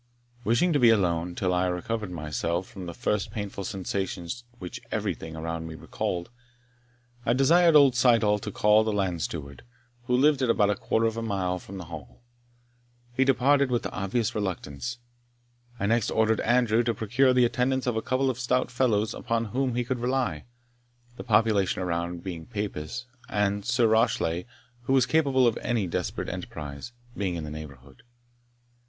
Wishing to be alone, till I recovered myself from the first painful sensations which everything around me recalled, I desired old Syddall to call the land steward, who lived at about a quarter of a mile from the Hall. He departed with obvious reluctance. I next ordered Andrew to procure the attendance of a couple of stout fellows upon whom he could rely, the population around being Papists, and Sir Rashleigh, who was capable of any desperate enterprise, being in the neighbourhood.